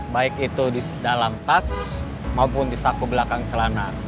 baik itu di dalam tas maupun di saku belakang celana